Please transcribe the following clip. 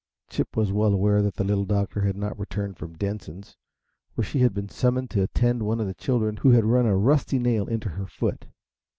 Chip was well aware that the Little Doctor had not returned from Denson's, where she had been summoned to attend one of the children, who had run a rusty nail into her foot.